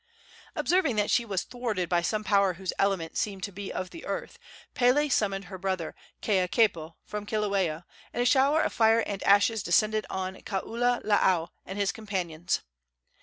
Observing that she was thwarted by some power whose element seemed to be of the earth, Pele summoned her brother Keuakepo from Kilauea, and a shower of fire and ashes descended upon Kaululaau and his companions.